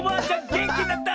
げんきになった！